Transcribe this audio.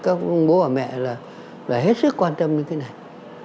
các ông bố bà mẹ là hết sức quan tâm đến cái này